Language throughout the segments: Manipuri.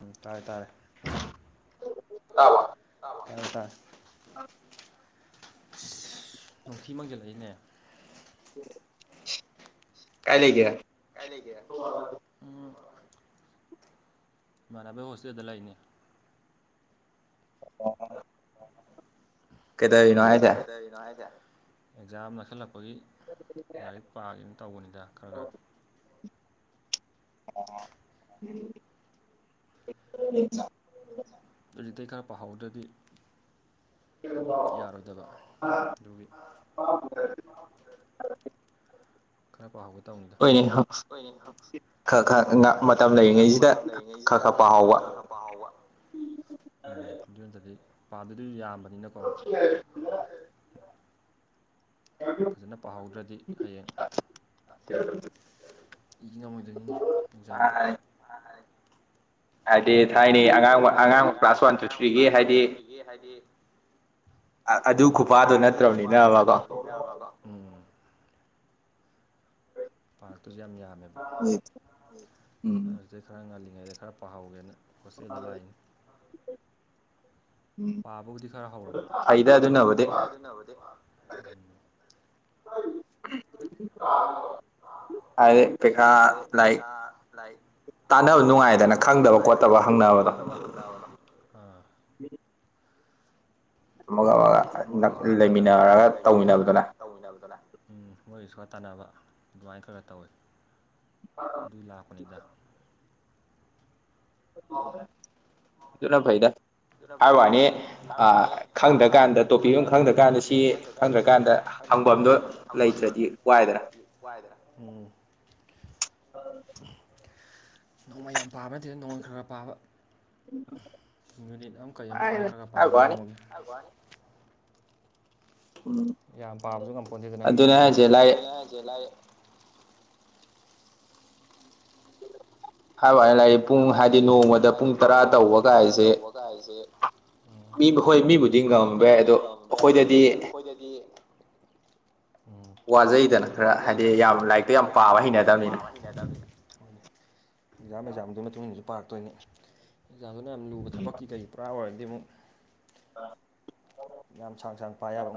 ꯎꯝ ꯇꯥꯔꯦ ꯇꯥꯔꯦ ꯇꯥꯏꯌꯦ ꯇꯥꯔꯦ ꯑ ꯏꯁ ꯅꯨꯡꯊꯤ ꯃꯪꯖꯜꯂꯛꯏꯅꯦ ꯀꯥꯏ ꯂꯩꯒꯦ ꯀꯥꯏ ꯂꯩꯒꯦ ꯎꯝ ꯏꯃꯥꯥꯟꯅꯕꯩ ꯍꯣꯁꯇꯦꯜꯗ ꯂꯩꯅꯦ ꯑꯣ ꯀꯩꯗꯧꯔꯤꯅꯣ ꯍꯥꯏ ꯀꯩꯗꯧꯔꯤꯅꯣ ꯍꯥꯏꯖꯦ ꯑꯦꯛꯖꯥꯝ ꯅꯛꯁꯜꯂꯛꯄꯒꯤ ꯂꯥꯏꯔꯤꯛ ꯄꯥꯒꯦꯅ ꯇꯧꯕꯅꯤꯗ ꯈꯔ ꯈꯔ ꯑꯣ [unintelligible] ꯍꯧꯖꯤꯛꯇꯩ ꯈꯔ ꯄꯥꯍꯧꯗ꯭ꯔꯗꯤ ꯌꯥꯔꯣꯏꯗꯕ ꯑꯗꯨꯒꯤ ꯈꯔ ꯄꯥꯎꯍꯥꯎꯒꯦ ꯇꯧꯅꯤꯗ [unintelligible] ꯈꯥ ꯈꯥ ꯉꯟ ꯈꯥ ꯈꯥ ꯉꯥꯛ ꯃꯇꯝ ꯂꯩꯔꯤꯉꯩꯖꯤꯗ ꯈꯥ ꯈꯥ ꯄꯥꯍꯧꯕ ꯎꯝ ꯑꯗꯨ ꯅꯠꯇ꯭ꯔꯗꯤ ꯄꯥꯗꯣꯏꯗꯤ ꯌꯥꯝꯕꯅꯤꯅꯀꯣ [unintelligible] ꯐꯖꯅ ꯄꯥꯍꯧꯗ꯭ꯔꯗꯤ ꯍꯌꯦꯡ ꯏ ꯉꯝꯃꯣꯏꯗꯣꯏꯅꯤꯅꯦ ꯑꯦꯛꯖꯥꯝꯗ ꯍꯥꯏꯗꯤ ꯊꯥꯏꯅꯩ ꯑꯉꯥꯡꯕ ꯑꯉꯥꯡꯕ ꯀ꯭ꯂꯥꯁ ꯋꯥꯟ ꯇꯨ ꯊ꯭ꯔꯤꯒꯤ ꯍꯥꯏꯗꯤ ꯑ ꯑꯗꯨ ꯈꯨꯄꯥꯗꯣ ꯅꯠꯇ꯭ꯔꯕꯅꯤꯅꯕꯀꯣ ꯄꯥꯔꯛꯇꯣꯏꯖꯤ ꯌꯥꯝ ꯌꯥꯝꯃꯦꯕ ꯑꯗꯨꯗꯩ ꯈꯔ ꯉꯜꯂꯤꯉꯩꯗ ꯈꯔ ꯄꯥꯍꯧꯒꯦꯅ ꯍꯣꯁꯇꯦꯜꯗ ꯂꯥꯛꯏꯅꯦ ꯄꯥꯕꯕꯨꯗꯤ ꯈꯔ ꯍꯧꯔꯕ ꯐꯩꯗ ꯑꯗꯨꯅꯕꯨꯗꯤ [unintelligible] ꯍꯥꯏ ꯄꯩꯈꯥ ꯂꯥꯛꯏ ꯇꯥꯟꯅꯕ ꯅꯨꯡꯉꯥꯏꯗꯅ ꯈꯪꯗꯕ ꯈꯣꯠꯇꯕ ꯍꯪꯅꯕꯗꯣ ꯑꯥ ꯍꯣꯏ ꯃꯣꯏꯒꯖꯨ ꯈꯔ ꯇꯥꯟꯅꯕ ꯑꯗꯨ ꯂꯩꯃꯤꯟꯅꯔꯒ ꯇꯧꯃꯤꯟꯅꯕꯗꯅꯦ ꯎꯝ ꯃꯣꯏꯒꯤꯁꯨ ꯋꯥ ꯇꯥꯟꯅꯕ ꯑꯗꯨꯃꯥꯏꯟ ꯈꯒ ꯇꯧꯋꯤ [unintelligible] ꯑꯗꯨꯨꯏ ꯂꯥꯛꯄꯅꯤꯗ ꯑꯗꯨꯅ ꯐꯩꯗ ꯍꯥꯏꯕ ꯋꯥꯅꯤ ꯑꯥ ꯈꯪꯗ꯭ꯔꯀꯥꯟꯗ ꯇꯣꯄꯤꯛ ꯑꯃ ꯈꯪꯗ꯭ꯔꯀꯥꯟꯗ ꯁꯤ ꯈꯪꯗ꯭ꯔꯀꯥꯟꯗ ꯍꯪꯐꯝꯗꯣ ꯂꯩꯇ꯭ꯔꯗꯤ ꯋꯥꯏꯗꯅ ꯋꯥꯏꯗꯅ ꯎꯝ ꯅꯣꯡꯃꯩ ꯌꯥꯝ ꯄꯥꯕ ꯅꯠꯇꯦꯗ ꯅꯣꯡꯃꯩ ꯈꯔ ꯈꯔ ꯄꯥꯕ [inaudible] ꯌꯨꯅꯤꯠ ꯑꯃ ꯀꯩ ꯑꯃ ꯁꯨꯃꯥꯏꯅ ꯈꯔ ꯈꯔ ꯄꯥꯕ ꯅꯣꯡꯃꯒꯤ ꯌꯥꯝ ꯄꯥꯕꯁꯨ ꯉꯝꯄꯣꯟꯇꯦꯗꯅ ꯃꯤꯅ ꯑꯗꯨꯅ ꯍꯥꯏꯁꯦ ꯂꯥꯏꯛ ꯍꯥꯏꯕ ꯋꯥꯅꯦ ꯂꯥꯏꯔꯤ ꯄꯨꯡ ꯍꯥꯏꯗꯤ ꯅꯣꯡꯃꯗ ꯄꯨꯡ ꯇꯔꯥ ꯇꯧꯕ ꯀꯥꯏꯁꯦ ꯃꯤꯕꯨ ꯍꯣꯏ ꯃꯤꯕꯨꯗꯤ ꯉꯃꯝꯕ ꯌꯥꯏ ꯑꯗꯣ ꯑꯈꯣꯏꯗꯗꯤ ꯎꯝ ꯋꯥꯖꯩꯗꯅ ꯈꯔ ꯍꯥꯏꯗꯤ ꯌꯥꯝ ꯂꯥꯏꯔꯤꯛꯇ ꯌꯥꯝ ꯄꯥꯕꯅꯤ ꯑꯦꯀꯖꯥꯝ ꯑꯦꯀꯖꯥꯝ ꯗꯨꯏ ꯃꯇꯨꯡ ꯏꯟꯅꯁꯨ ꯄꯥꯔꯛꯇꯣꯏꯅꯤ ꯑꯦꯛꯖꯥꯝꯗꯨꯅ ꯌꯥꯝ ꯂꯨꯕ ꯊꯕꯛꯀꯤ ꯀꯩꯒꯤ ꯄꯨꯔꯥ ꯑꯣꯏꯔꯗꯤ ꯑꯃꯨꯛ [inaudible] ꯌꯥꯝ ꯁꯥꯡ ꯁꯥꯡ ꯄꯥ ꯌ꯭ꯕ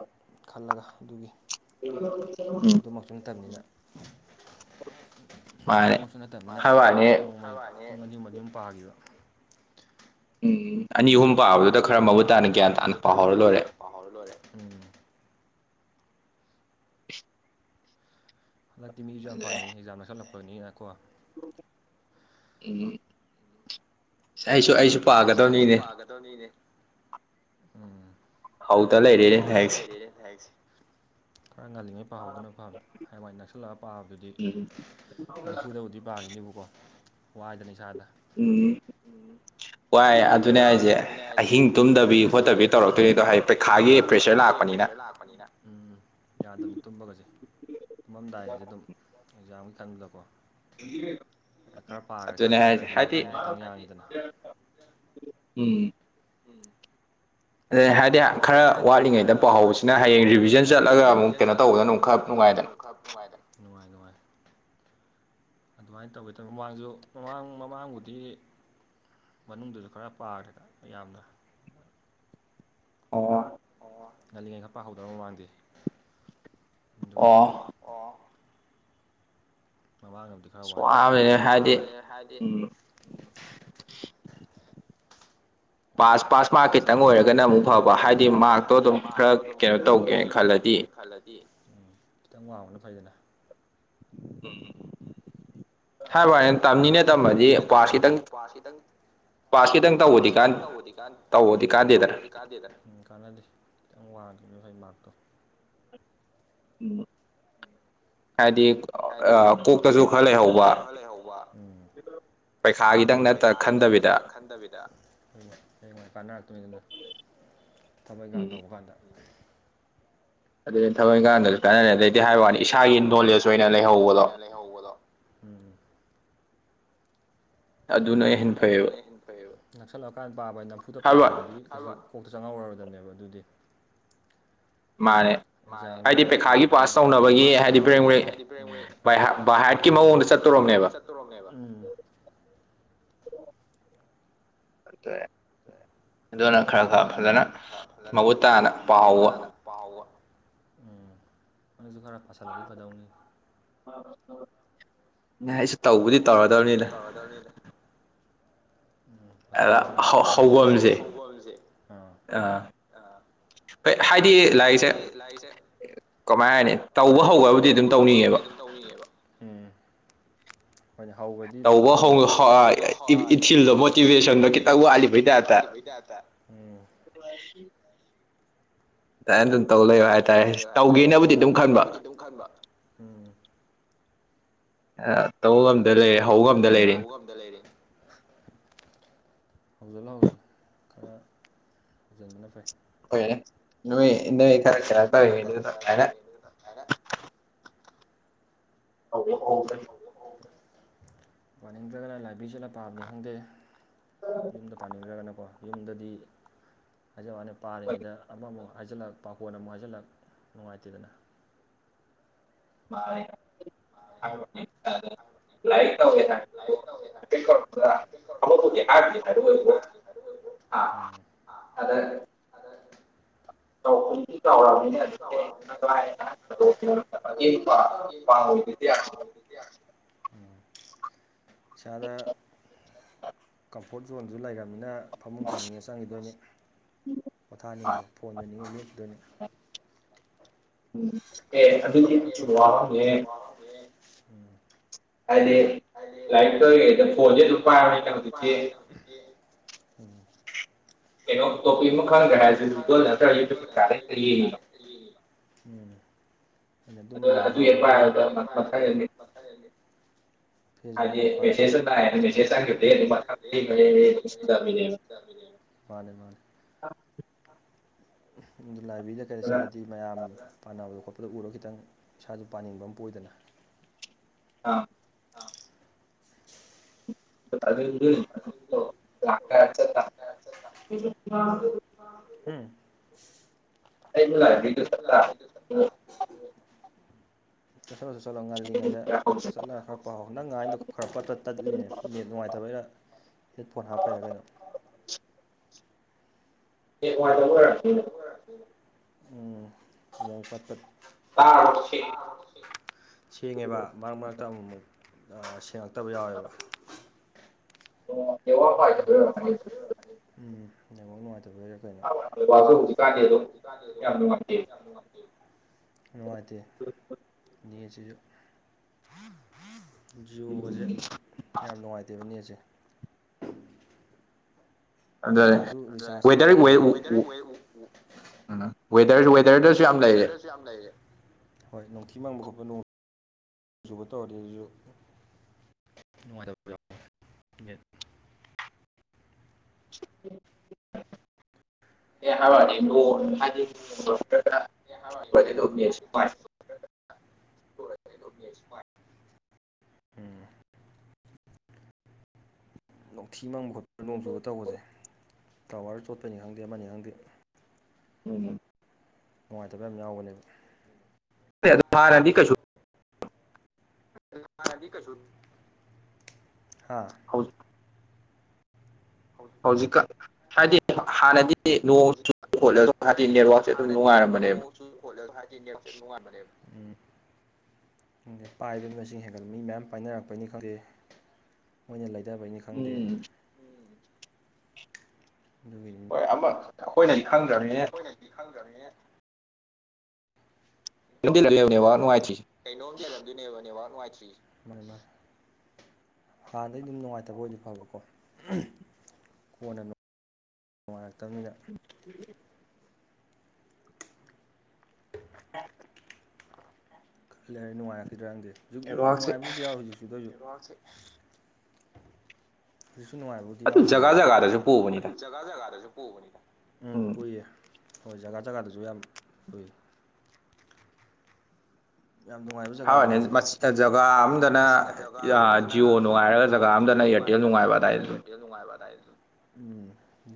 ꯈꯜꯂꯒ ꯑꯗꯨꯒꯤ [unintelligible] ꯑꯗꯨꯃꯛꯁꯨ ꯅꯠꯇꯕꯅꯤꯅ ꯑꯗꯨꯃꯛꯁꯨ ꯅꯠꯇꯕꯅꯤꯅ ꯅꯣꯡꯃꯒꯤ ꯄꯨꯡ ꯑꯅꯤꯍꯨꯝ ꯑꯅꯤꯍꯨꯝ ꯄꯥꯒꯤꯕ ꯎꯝ ꯑꯅꯤ ꯑꯍꯨꯝ ꯄꯥꯕꯗꯨꯗ ꯈꯔ ꯃꯃꯨꯠꯇꯥꯅ ꯒ꯭ꯌꯥꯟ ꯇꯥꯅ ꯄꯥꯍꯧꯔ ꯂꯣꯏꯔꯦ ꯍꯟꯗꯛꯇꯤ ꯃꯤꯁꯨ ꯌꯥꯝ ꯄꯥꯅꯩ ꯑꯦꯛꯖꯥꯝ ꯅꯛꯁꯟꯂꯛꯄꯅꯤꯅꯀꯣ ꯎꯝ ꯑꯩꯁꯨ ꯑꯩꯁꯨ ꯑꯩꯁꯨ ꯑꯩꯁꯨ ꯄꯥꯒꯗꯧꯅꯤꯅꯦ ꯍꯧꯗ ꯂꯩꯔꯦ ꯍꯧꯗ ꯂꯩꯔꯦꯅꯦ ꯍꯥꯏꯁꯦ ꯈꯔ ꯉꯜꯂꯤꯉꯩ ꯄꯥꯍꯧꯗꯨꯅ ꯐꯕꯅꯤ ꯍꯌꯦꯡꯋꯥꯏ ꯅꯛꯁꯜꯂꯛꯒ ꯄꯥꯕꯗꯨꯗꯤ ꯅꯝꯐꯨꯗꯕꯨꯗꯤ ꯄꯥꯈꯤꯅꯦꯕꯀꯣ ꯋꯥꯏꯗꯅ ꯏꯁꯥꯗ ꯎꯝ ꯋꯥꯏ ꯑꯗꯨꯅꯦ ꯍꯥꯏꯁꯦ ꯑꯍꯤꯡ ꯇꯨꯝꯗꯕꯤ ꯈꯣꯠꯇꯕꯤ ꯇꯧꯔꯛꯇꯣꯏꯅꯤꯗꯣ ꯍꯥꯏ ꯄꯩꯈꯥꯒꯤ ꯄꯩꯈꯥꯒꯤ ꯄ꯭ꯔꯦꯁꯔ ꯂꯥꯛꯄꯅꯤꯅ ꯎꯝ ꯌꯥꯗꯕꯅꯤ ꯇꯨꯝꯕꯒꯁꯦ ꯇꯨꯝꯃꯃꯗꯥꯏꯒꯁꯦ ꯑꯗꯨꯝ ꯑꯦꯛꯖꯥꯝꯒꯤ ꯈꯟꯕꯗꯀꯣ ꯈꯔ ꯄꯥꯒꯔꯥ ꯈꯔ ꯈꯪꯈ꯭ꯔꯗꯤ ꯋꯥꯈꯜ ꯈꯤꯇꯪ ꯌꯥꯉꯤꯗꯅ ꯎꯝ ꯎꯝ ꯑꯦ ꯍꯥꯏꯗꯤ ꯑꯦ ꯍꯥꯏꯗꯤ ꯈꯔ ꯋꯥꯠꯂꯤꯉꯩꯗ ꯄꯥꯍꯧꯕꯁꯤꯅ ꯍꯌꯦꯡ ꯔꯤꯚꯤꯖꯟ ꯆꯠꯂꯒ ꯑꯃꯨꯛ ꯀꯩꯅꯣ ꯇꯧꯕꯗꯅ ꯑꯃꯨꯛ ꯈꯔ ꯅꯨꯡꯉꯥꯏꯗꯅ ꯅꯨꯡꯉꯥꯏ ꯅꯨꯡꯉꯥꯏ ꯑꯗꯨꯃꯥꯏ ꯇꯧꯒꯦ ꯇꯧꯅꯤ ꯃꯃꯥꯡꯗꯁꯨ ꯃꯃꯥꯡ ꯃꯃꯥꯡꯕꯨꯗꯤ ꯃꯅꯨꯡꯗꯁꯨ ꯈꯔ ꯄꯥꯈ꯭ꯔꯦꯗ ꯌꯥꯝꯅ ꯑꯣ ꯑꯣ ꯉꯜꯂꯤꯉꯩ ꯈꯔ ꯄꯥꯍꯧꯗꯔ ꯃꯃꯥꯡꯗꯤ ꯑꯗꯨꯒꯤ ꯑꯣ [unintelligible] ꯈꯔ ꯋꯥꯏ ꯍꯟꯗꯛꯇꯤ ꯋꯥꯔꯦꯍꯦ ꯍꯥꯏꯗꯤ [inaudible] ꯄꯥꯁ ꯄꯥꯁ ꯃꯥꯀ ꯈꯤꯇꯪ ꯑꯣꯏꯔꯒꯅ ꯑꯃꯨꯛ ꯐꯕ ꯍꯥꯏꯗꯤ ꯃꯥꯛꯇꯣ ꯑꯗꯨꯝ ꯈꯔ ꯀꯩꯅꯣ ꯇꯧꯒꯦꯅ ꯈꯜꯂꯗꯤ ꯈꯜꯂꯗꯤ [inaudible] ꯈꯤꯇꯪ ꯋꯥꯡꯕꯅ ꯐꯩꯗꯅ ꯎꯝ ꯍꯥꯏꯋꯥꯅꯤ ꯇꯝꯅꯤꯅ ꯇꯝꯃꯗꯤ ꯄꯥꯁ ꯈꯤꯇꯪ ꯄꯥꯁ ꯈꯤꯇꯪ ꯇꯧꯕꯗꯤ ꯀꯥꯟ ꯇꯧꯕꯗꯤ ꯀꯥꯟꯅꯗꯦꯗꯅ ꯀꯥꯟꯗꯦꯗꯅ ꯎꯝ ꯀꯥꯟꯅꯗꯦ ꯈꯤꯇꯪ ꯋꯥꯡꯈꯤꯕꯅ ꯐꯩ ꯃꯥꯔꯛꯇꯣ ꯍꯥꯏꯗꯤ ꯍꯥꯏꯗꯤ ꯑꯥ ꯀꯣꯛꯇꯁꯨ ꯈꯔ ꯂꯩꯍꯧꯕ ꯎꯝ ꯄꯩꯁꯥꯒꯤꯗꯪ ꯄꯩꯈꯥꯒꯤꯗꯪ ꯅꯠꯇ ꯈꯟꯗꯕꯤꯗ ꯑꯝ ꯍꯌꯦꯡꯋꯥꯏ ꯍꯌꯦꯡꯋꯥꯏ ꯀꯥꯟꯅꯔꯛ ꯇꯣꯏꯅꯤꯗ ꯊꯥꯕꯛ ꯏꯪꯈꯥꯡ ꯇꯧꯕ ꯀꯥꯟꯗ ꯑꯗꯨꯅꯦ ꯊꯥꯕꯛ ꯏꯪ ꯑꯗꯨꯅꯤ ꯊꯥꯕꯛ ꯏꯟꯒꯥꯡꯗꯁꯨ ꯀꯥꯟꯅꯔꯦ ꯑꯗꯩꯗꯤ ꯍꯥꯏꯕ ꯋꯥꯅꯤ ꯏꯁꯥꯒꯤ ꯅꯣꯂꯦꯖ ꯑꯣꯏꯅ ꯂꯩꯍꯧꯕꯗꯣ ꯎꯝ ꯑꯗꯨꯅꯦ ꯑꯗꯨꯅ ꯍꯦꯟꯅ ꯐꯩꯌꯦꯕꯟ ꯅꯛꯁꯜꯂꯛꯀꯥꯟꯗ ꯄꯥꯕꯅ ꯅꯝꯐꯨꯗ ꯄꯥꯕ ꯍꯥꯏꯗꯨꯗꯤ ꯀꯣꯛꯇ ꯆꯪꯉꯧꯔꯔꯣꯏꯗꯕꯅꯦꯕ ꯑꯗꯨꯗꯤ ꯃꯥꯅꯦ ꯍꯥꯏꯗꯤ ꯄꯩꯈꯥꯒꯤ ꯄꯥꯁ ꯇꯧꯅꯕꯒꯤ ꯍꯥꯏꯗꯤ ꯕꯔꯦꯡ ꯕꯔꯦꯡ ꯕꯥꯍꯔꯠ ꯕꯥꯍꯔꯠꯀꯤ ꯃꯑꯣꯡꯗ ꯆꯠ... ꯇꯧꯔꯝꯃꯦꯕ ꯇꯧꯔꯝꯃꯦꯕ ꯎꯝ [unintelligible] ꯑꯗꯨꯅ ꯈꯔ ꯈꯔ ꯐꯖꯅ ꯃꯃꯨꯠ ꯇꯥꯅ ꯄꯥꯍꯧꯕ ꯄꯥꯍꯧꯕ ꯎꯝ ꯑꯗꯨꯁꯨ ꯈꯔ ꯄꯥꯁꯤꯜꯂꯗꯤ ꯐꯗꯧꯅꯤ ꯃꯥꯏ ꯑꯩꯁꯨ ꯇꯧꯕꯨꯗꯤ ꯇꯧꯔꯗꯕꯅꯤꯗ [unintelligible] ꯗꯅꯤꯗ ꯎꯝ ꯃꯇꯝꯗꯨ ꯁꯨꯝ ꯅꯛꯁꯤꯟꯂꯛꯑꯗꯤ ꯍꯧꯕꯝꯖꯦ ꯑꯥ ꯑꯥ ꯍꯥꯏꯗꯤ ꯂꯥꯏꯔꯤꯛꯁꯦ ꯀꯃꯥꯏꯟ ꯍꯥꯏꯅꯤ ꯇꯧꯕ ꯍꯧꯒꯔꯕꯨꯗꯤ ꯑꯗꯨꯝ ꯇꯧꯅꯤꯡꯉꯦꯕ ꯍꯣꯏꯅꯦ ꯍꯧꯒ꯭ꯔꯗꯤ ꯑꯗꯨꯝ ꯄꯥꯅꯤꯡꯉꯛ ꯇꯧꯕ ꯍꯧ ꯍꯧ ꯏꯊꯤꯜꯗꯣ ꯃꯣꯇꯤꯚꯦꯁꯟꯗꯣ ꯈꯤꯇꯪ ꯋꯥꯠꯂꯤ [unintelligible] ꯇꯞꯇ ꯑꯗꯨꯃꯥꯏꯟ ꯑꯗꯨꯝ ꯇꯧ ꯂꯩꯌꯣ ꯍꯥꯏꯇꯥꯔꯦ ꯇꯧꯒꯦꯅꯕꯨꯗꯤ ꯑꯗꯨꯝ ꯈꯟꯕ ꯈꯟꯕ ꯎꯝ ꯇꯧ ꯉꯝꯗ ꯂꯩꯔꯦ ꯍꯧ ꯉꯝꯗ ꯂꯩꯔꯦ ꯗ ꯂꯩꯔꯦ ꯍꯧꯖꯤꯜꯂꯨ ꯍꯧꯖꯤꯜꯂꯨ ꯈꯔ ꯍꯧꯁꯤꯟꯕꯅ ꯐꯩ [unintelligible] ꯅꯣꯏ ꯈꯔ [unintelligible] ꯍꯧꯗꯤ ꯍꯧꯒꯅꯤ ꯄꯥꯅꯤꯡꯗ꯭ꯔꯒꯅ ꯂꯥꯏꯕ꯭ꯔꯦꯔꯤ ꯆꯠꯂ ꯄꯥꯕꯅꯤ ꯈꯪꯗꯦ ꯌꯨꯝꯗ ꯄꯥꯅꯤꯡꯗꯔꯒꯅ ꯀꯣ ꯌꯨꯝꯗꯗꯤ ꯍꯥꯏꯖꯕ ꯋꯥꯅꯤ ꯄꯥꯔꯤꯉꯩꯗ ꯑꯃꯃꯨꯛ ꯍꯥꯏꯖꯤꯜꯂꯛ ꯄꯥꯈꯣꯟ ꯑꯃꯨꯛ ꯍꯥꯏꯖꯤꯜꯂꯛ ꯅꯨꯡꯉꯥꯏꯇꯦꯗꯅ [unintelligible] ꯂꯥꯏꯔꯤꯛ ꯇꯧꯒꯦ ꯍꯥꯢꯕ [unintelligible] ꯊꯥꯕꯛꯄꯨꯗꯤ ꯍꯥꯏꯕꯨꯗꯤ ꯍꯥꯏꯔꯛ ꯑꯣꯏꯕꯨ ꯑꯥ ꯑꯥ ꯑꯗꯥ [unintelligible] [unintelligible] [inaudible] ꯏꯁꯥꯗ ꯀꯝꯐꯣꯔꯠ ꯖꯣꯟꯁꯨ ꯂꯩꯔꯝꯅꯤꯅ ꯐꯃꯨꯡ ꯆꯪꯅꯤꯡꯉꯦ ꯆꯪꯈꯤꯗꯣꯏꯅꯤ ꯄꯣꯊꯥꯅꯤꯡꯕ ꯐꯣꯟꯃꯦꯠꯅꯤꯡꯉꯦ ꯃꯦꯠꯈꯤꯗꯣꯏꯅꯤ ꯎꯝ ꯑꯦ ꯑꯗꯨꯗꯤ [inaudible] [inaudible] ꯎꯝ ꯍꯥꯏꯗꯤ ꯂꯥꯏꯔꯤꯛꯇ ꯀꯩꯗ ꯐꯣꯟꯖꯦꯗꯨꯝ ꯄꯥꯏꯕꯅꯤꯅ ꯍꯧꯖꯤꯛꯇꯤ ꯀꯩꯅꯣ ꯇꯣꯄꯤꯛ ꯑꯃ ꯈꯪꯗꯔꯦ ꯍꯥꯏꯔꯥꯁꯨ ꯒꯨꯒꯨꯜꯗ ꯅꯠꯇꯔꯒ ꯌꯨꯇꯨꯕꯇ ꯍꯦꯛꯇ ꯌꯦꯡꯑꯦꯕ ꯑꯗꯨꯃ ꯌꯦꯡꯕ ꯍꯧꯒꯔꯗꯤ [inaudible] [inaudible] ꯍꯥꯏꯗꯤ ꯃꯦꯁꯦꯖ ꯑꯃ ꯂꯥꯛꯑꯦꯅ ꯃꯦꯁꯦꯖ ꯆꯪꯒꯤꯕꯗꯩ ꯃꯊꯪ ꯍꯦꯍꯦꯛ ꯁꯝꯗꯕꯤꯅꯦꯕ ꯃꯥꯅꯦ ꯃꯥꯅꯦ ꯑꯗꯨ ꯂꯥꯏꯕ꯭ꯦꯔꯤꯗ ꯀꯩꯗ ꯆꯠꯂꯗꯤ ꯃꯌꯥꯝ ꯄꯥꯅꯕꯗ ꯈꯣꯠꯄꯗꫭ ꯎꯔ ꯈꯤꯇꯪ ꯏꯁꯥꯁꯨ ꯄꯥꯅꯤꯡꯕ ꯑꯃ ꯄꯣꯛꯏꯗꯅ ꯑꯥ ꯑꯥ [inaudible] [inaudible] ꯍꯝ ꯑꯩꯖꯨ ꯂꯥꯛꯑꯦ [inaudible] ꯆꯠꯊꫭꯛꯎꯖꫭ ꯆꯠꯂꫭ ꯉꯜꯂꯤꯉꯩꯗ ꯆꯠꯂ ꯈꯔ ꯄꯥꯎ ꯅꯪꯅ ꯍꯥꯏꯗꯣ ꯐꯔ ꯇꯠ ꯇꯠꯂꯤꯅꯦ ꯅꯦꯠ ꯅꯨꯡꯉꯥꯏꯇꯕꯩꯔ ꯍꯦꯠꯐꯣꯟ ꯍꯥꯞꯄꯩꯔ ꯀꯩꯅꯣ ꯅꯦꯠ ꯅꯨꯉꯥꯏꯇꯕꯩ ꯅꯦꯠ ꯅꯨꯉꯥꯏꯇꯕ ꯑꯣꯏꯔꯃꯗꯣꯏꯅꯦ ꯎꯝ ꯑꯃꯨꯃꯨꯛ ꯄꯠꯄꯠ ꯁꯦꯡꯉꯦꯕ ꯃꯔꯛ ꯃꯔꯛꯇ ꯑꯃꯨꯃꯨꯛ ꯁꯦꯡꯉꯛꯇꯕ ꯌꯥꯎꯋꯦꯕ ꯑꯣ ꯅꯦꯠꯋꯥꯛ ꯅꯦꯠꯋꯥꯛ ꯅꯨꯉꯥꯏꯇꯕꯩ ꯑꯣꯏꯔꯝꯃꯅꯤ ꯎꯝ ꯅꯦꯠꯋꯥꯛ ꯅꯨꯉꯥꯏꯇꯕꯩꯔ ꯀꯩꯅꯣ [inaudible] ꯅꯨꯡꯉꯥꯏꯇꯦ ꯅꯦꯠ ꯁꯤꯖꯨ ꯖꯤꯑꯣꯒꯁꯦ ꯌꯥꯝ ꯅꯨꯡꯉꯥꯏꯇꯦꯕ ꯅꯦꯠꯁꯦ ꯄꯩꯁꯥꯁꯨ ꯔꯤꯆꯥꯔꯖꯁꯨ ꯁꯨꯝ ꯆꯥꯎꯈꯠꯂꯛꯏ ꯋꯦꯗꯔ ꯋꯦ ꯑ ꯋꯦꯗꯔ ꯋꯦꯗꯔꯗꯁꯨ ꯌꯥꯝ ꯂꯩꯔꯦ ꯌꯥꯝ ꯂꯩꯔꯦ ꯍꯣꯏ ꯅꫭꯡꯊꯤ ꯃꯪꯕ ꯈꯣꯠꯄ ꯅꯣꯡ ꯆꯨꯕ ꯇꯧꯔꯗꯤ ꯑꯗꯨꯁꯨ ꯅꯨꯡꯉꯥꯏꯇꯕ ꯌꯥꯎꯋꯦ ꯅꯦꯠ ꯑꯦ ꯍꯥꯏꯕꯋꯥꯅꯦ ꯅꯣꯡ ꯍꯥꯏꯗꯤ [inaudible] ꯑꯦ ꯍꯥꯏꯕꯋꯥꯅꯦ ꯅꯣꯡ ꯍꯥꯏꯗꯤ [inaudible] ꯎꯝ ꯅꯣꯡꯊꯤ ꯃꯪꯕ ꯈꯣꯠꯄ ꯅꯣꯡ ꯆꯨꯕ ꯇꯧꯕꯁꯦ ꯇꯥꯋꯥꯔ ꯆꯣꯠꯄꯩꯅꯤ ꯈꯪꯗꯦ ꯑꯃꯅꯤ ꯈꯪꯗꯦ ꯎꯝ ꯅꯨꯡꯉꯥꯏꯇꯕ ꯌꯥꯝ ꯌꯥꯎꯕꯅꯦꯕ ꯑꯗꯨ ꯍꯥꯟꯅꯗꯤ ꯀꯩꯁꯨ ꯍꯥꯟꯅꯗꯤ ꯀꯁꯨ ꯍꯥ ꯍꯧ ꯍꯧꯖꯤꯛꯀ ꯍꯥꯏꯗꯤ ꯍꯥꯟꯅꯗꯤ ꯅꯣꯡ ꯆꯨ ꯈꯣꯠꯂꯁꯨ ꯍꯥꯏꯗꯤ ꯅꯦꯠꯋꯥꯛꯁꯦ ꯑꯗꯨꯝ ꯅꯨꯡꯉꯥꯏꯔꯝꯕꯅꯦꯕ ꯈꯣꯠꯂ ꯍꯥꯏꯗꯤ ꯅꯦꯠꯁꯦ ꯅꯨꯉꯥꯏꯔꯝꯕꯅꯦꯕ ꯎꯝ ꯈꯪꯗꯦ ꯄꯥꯏꯕ ꯃꯤ ꯃꯁꯤꯡ ꯍꯦꯟꯒꯠ ꯃꯤ ꯃꯌꯥꯝ ꯄꯥꯏꯅꯔꯛꯄꯩꯅꯤ ꯈꯪꯗꯦ ꯃꯣꯏꯅ ꯂꯩꯗꯕꯩꯅꯤ ꯈꯪꯗꯦ ꯑꯗꯨꯒꯤꯅꯤꯅꯦ ꯍꯣꯏ ꯑꯃ ꯑꯈꯣꯏꯅꯗꯤ ꯈꯪꯗ꯭ꯔꯝꯅꯤꯅ [unintelligible] ꯅꯦꯋꯥꯛ ꯅꯨꯡꯉꯥꯏꯇ꯭ꯔꯤꯖꯦ ꯀꯩꯅꯣꯝ ꯂꯩꯔꯝꯗꯣꯏꯅꯦꯕ ꯅꯦꯋꯥꯥꯛ ꯅꯨꯡꯉꯥꯏꯇ꯭ꯔꯤꯖꯦ ꯃꯥꯅꯤ ꯃꯥꯅꯤ ꯍꯥꯟꯅꯗꯩ ꯗꯨꯝ ꯅꯨꯡꯉꯥꯏꯇꯕ ꯑꯣꯏꯔꯗꯤ ꯐꯕꯀꯣ ꯑꯍꯝ ꯀꯣꯟꯅ ꯅꯨꯡꯉꯥꯏꯔꯛꯇꯝꯅꯤꯅ [inaudible] [inaudible] ꯂꯩꯔꯥ ꯅꯨꯡꯉꯥꯏꯔꯛꯈꯤꯗ꯭ꯔꯥ ꯈꯪꯗꯦ ꯍꯧꯖꯤꯛ ꯅꯨꯡꯉꯥꯏꯕꯕꯨꯗꯤ ꯌꯥꯎꯋꯦ ꯍꯧꯖꯤꯛꯁꯨ ꯑꯗꯣꯏꯖꯨ ꯅꯦꯠꯋꯥꯛꯁꯦ ꯍꯧꯖꯤꯛꯁꯨ ꯅꯨꯡꯉꯥꯏꯕꯕꯨꯗꯤ ꯌꯥꯎꯕꯗꯤ ꯌꯥꯎꯋꯦꯕ꯭ꯔ ꯑꯗꯨ ꯖꯛ ꯖꯒꯥ ꯖꯒꯥꯗꯖꯨ ꯄꯨꯕꯅꯤ ꯎꯝ ꯄꯨꯏꯌꯦ ꯍꯣꯏ ꯖꯒꯥ ꯖꯒꯥꯗꯁꯨ ꯌꯥꯝ ꯄꯨꯏꯌꯦ ꯌꯥꯝ ꯅꯨꯡꯉꯥꯏꯕ ꯖꯒꯥꯖꯨ ꯌꯥꯎꯋꯤ ꯍꯥꯏꯋꯅꯤ ꯃꯁꯤ ꯖꯒꯥ ꯑꯃꯗꯅ ꯌꯥ ꯖꯤꯌꯣ ꯅꯨꯡꯉꯥꯏꯔꯒ ꯖꯒꯥ ꯑꯃꯗꯅ ꯑꯦꯌꯥꯔꯇꯦꯜ ꯅꯨꯡꯉꯥꯏꯕ ꯑꯗꯥꯏꯅꯗꯨꯝ ꯎꯝ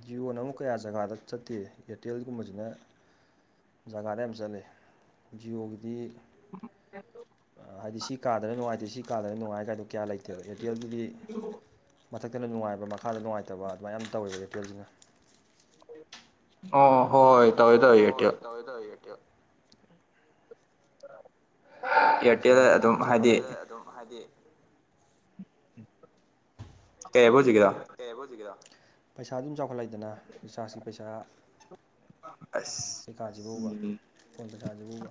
ꯖꯤꯌꯣꯅ ꯑꯃꯨꯛ ꯀꯌꯥ ꯖꯒꯥꯗ ꯆꯠꯇꯦ ꯑꯦꯌꯥꯔꯇꯦꯜꯒꯨꯝꯕꯖꯤꯅ ꯖꯒꯥꯗ ꯌꯥꯝ ꯆꯠꯂꯦ ꯖꯤꯌꯣꯒꯤꯗꯤ [unintelligible] ꯑꯥ ꯍꯥꯏꯗꯤ ꯁꯤ ꯀꯥꯗꯅ ꯅꯨꯡꯉꯥꯏꯇꯦ ꯁꯤ ꯀꯥꯗꯅ ꯅꯨꯡꯉꯥꯏ ꯀꯥꯏꯗꯣ ꯀꯌꯥ ꯂꯩꯇꯦꯕ ꯑꯦꯌꯥꯔꯇꯦꯜꯒꯤꯗꯤ ꯃꯊꯛꯇꯅ ꯅꯨꯡꯉꯥꯏꯕ ꯃꯈꯥꯗ ꯅꯨꯡꯉꯥꯏꯇꯕ ꯑꯗꯨꯃꯥꯏꯅ ꯌꯝ ꯇꯧꯋꯦ ꯑꯦꯌꯥꯔꯇꯦꯜꯖꯤꯅ ꯑꯣ ꯍꯣꯏ ꯍꯣꯏ ꯇꯧꯋꯦ ꯇꯧꯋꯦ ꯑꯦꯌꯥꯔꯇꯦꯜ [unintelligible] ꯄꯩꯁꯥꯗꯤ ꯑꯗꯨꯝ ꯆꯥꯎꯈꯠꯂꯛꯏ ꯑꯦꯌꯥꯔꯇꯦꯜ ꯑꯗꯨꯝ ꯍꯥꯏꯗꯤ ꯀꯩꯕ ꯍꯨꯖꯤꯛꯀꯤꯗꯣ ꯀꯩ ꯍꯥꯏꯕ ꯍꯧꯖꯤꯛꯀꯤꯗꯣ ꯄꯩꯁꯥꯗꯤ ꯑꯗꯨꯝ ꯆꯥꯎꯈꯠꯂꯛꯏꯗꯅ ꯔꯤꯆꯥꯔꯖꯀꯤ ꯄꯩꯁꯥ ꯀꯩꯀꯥꯖꯤꯕꯨꯕ ꯐꯣꯟ ꯄꯩꯁꯥꯖꯤꯕꯨꯕ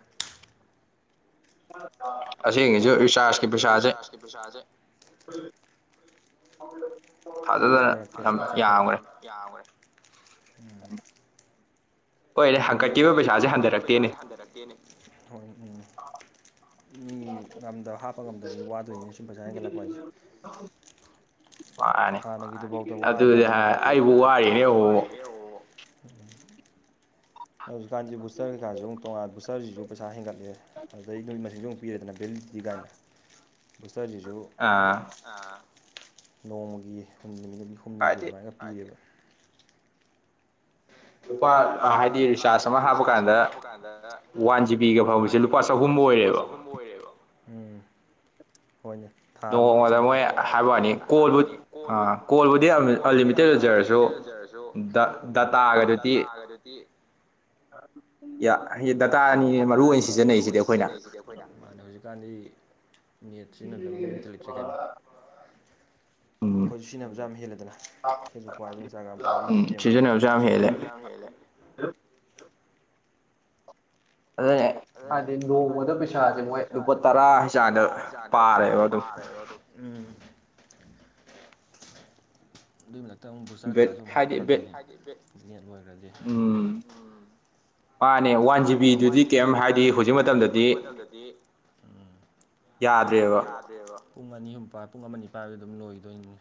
ꯑꯁꯦꯡꯀꯤꯖꯨ ꯔꯤꯆꯥꯔꯁꯀꯤ ꯄꯩꯁꯥꯖꯦ [unintelligible] ꯍꯥꯟꯗꯤ ꯍꯥꯟꯗꯔꯛꯇꯦ ꯁꯨꯝ ꯆꯥꯎꯈꯠꯂꯛꯏ [inaudible] ꯎꯝ ꯈꯣꯏꯗꯤ ꯍꯥꯡꯀꯠꯀꯤꯕ ꯄꯩꯁꯥꯖꯦ ꯍꯥꯟꯗꯔꯛꯇꯦꯅꯦ ꯍꯣꯏ ꯎꯝ ꯃꯤ ꯉꯝꯗ ꯍꯥꯞꯄ ꯉꯝꯗꯕ ꯃꯤ ꯋꯥꯗꯣꯏꯅꯦ ꯄꯩꯁꯥ ꯍꯦꯟꯒꯠꯂꯛꯄ ꯍꯥꯏꯖꯦ ꯍꯥꯟꯅꯒꯤꯗꯨꯕꯧ ꯋꯥꯔ ꯀꯥꯟꯖꯤꯗ ꯍꯥꯞꯄ ꯑꯗꯨꯗꯤ ꯍꯥꯏꯔ ꯑꯩꯕꯨꯛ ꯋꯥꯔꯤꯅꯤ ꯑꯃꯨꯛ ꯃꯨꯛ ꯍꯧꯖꯤꯛꯀꯥꯟꯖꯤ ꯕꯨꯁꯇꯔ ꯀꯩꯀꯥꯖꯨ ꯑꯃꯨꯛ ꯇꯣꯉꯥꯟ ꯕꯨꯁꯔꯖꯤꯖꯨ ꯄꯩꯁꯥ ꯍꯦꯟꯒꯠꯂꯦ ꯑꯗꯩ ꯅꯨꯃꯤꯠ ꯃꯁꯤꯡꯖꯨ ꯄꯤꯔꯦꯗ ꯕꯦꯂꯤꯠ ꯒꯥꯏꯅ ꯕꯨꯁꯇꯔꯖꯤꯖꯨ ꯑꯥ ꯅꯣꯡꯃꯒꯤ ꯍꯨꯝ ꯅꯨꯃꯤꯠ ꯍꯨꯝꯅꯤꯒꯤ ꯑꯗꯨꯃꯥꯏꯅꯒ ꯄꯤꯌꯦꯕ ꯂꯨꯄꯥ ꯍꯥꯏꯗꯤ ꯔꯤꯆꯥꯔꯖ ꯑꯃ ꯍꯥꯞꯄ ꯀꯥꯟꯗ ꯋꯥꯟ ꯖꯤꯕꯤꯒ ꯐꯪꯕꯖꯤ ꯂꯨꯄꯥ ꯆꯍꯨꯝ ꯑꯣꯏꯔꯦꯕ ꯎꯝ ꯍꯣꯏꯅꯦ ꯊꯥ ꯑꯃꯒꯤ ꯔꯤꯆꯥꯔꯖꯇꯥ ꯅꯣꯡꯃꯗ ꯃꯣꯏ ꯍꯥꯏꯕ ꯋꯥꯅꯤ ꯀꯣꯜꯕꯨ ꯑꯥ ꯀꯣꯜꯕꯨꯗꯤ ꯑꯟꯂꯤꯃꯤꯇꯦꯠ ꯑꯣꯏꯖꯔꯖꯨ ꯖꯨ ꯗ ꯗꯇꯥꯒꯗꯨꯗꯤ ꯌꯥ ꯗꯇꯥ ꯅꯤꯅ ꯃꯔꯨ ꯑꯣꯏꯅ ꯁꯤꯖꯤꯟꯅꯩꯁꯤꯗꯤ ꯑꯈꯣꯏꯅ ꯈꯣꯏꯅ ꯃꯥꯅꯦ ꯍꯨꯖꯤꯛꯀꯥꯟꯗꯤ ꯅꯦꯠ ꯁꯤꯖꯤꯟꯅꯗꯕ ꯃꯤ ꯑꯝꯇ ꯂꯩꯇ꯭ꯔꯦ ꯀꯩꯅꯣ ꯑꯈꯣꯏꯖꯨ ꯁꯤꯖꯤꯟꯅꯕꯖꯨ ꯌꯥꯝ ꯍꯦꯜꯂꯦꯗꯅ ꯐꯦꯁꯕꯨꯛ ꯄꯥꯏꯕ ꯏꯟꯁꯇꯥꯒ꯭ꯔꯥꯝ ꯄꯥꯏꯕ ꯌꯨꯇꯨꯞ ꯌꯦꯡꯕ ꯁꯤꯖꯤꯟꯅꯕꯖꯨ ꯌꯥꯝ ꯍꯦꯜꯂꯦ ꯑꯗꯨꯅꯦ ꯍꯥꯏꯗꯤ ꯅꯣꯡꯃꯗ ꯄꯩꯁꯥꯖꯦ ꯃꯣꯏ ꯂꯨꯄꯥ ꯇꯔꯥ ꯖꯥꯗ ꯄꯥꯔꯦꯕ ꯑꯗꯨꯝ ꯎꯝ ꯑꯗꯨꯏ ꯃꯊꯛꯇ ꯑꯃꯨꯛ ꯕꯨꯁꯇꯔ ꯀꯩꯀꯥꯁꯨꯨ‌ ꯍꯥꯞꯀꯠꯂꯛꯇꯣꯏꯅꯦ ꯅꯦꯠ ꯑꯣꯏꯈ꯭ꯔꯗꯤ ꯃꯥꯅꯦ ꯋꯥꯟ ꯖꯤꯕꯤꯗꯨꯗꯤ ꯀꯤꯝ ꯍꯥꯏꯗꯤ ꯍꯧꯖꯤꯛ ꯃꯇꯝꯗꯗꯤ ꯎꯝ ꯌꯥꯗ꯭ꯔꯦꯕ ꯄꯨꯡ ꯑꯅꯤꯍꯨꯝꯄꯥ ꯄꯨꯡ ꯑꯃꯅꯤ ꯄꯥꯏꯕꯗ ꯑꯗꯨꯝ ꯂꯣꯏꯗꯣꯏꯅꯤꯅꯦ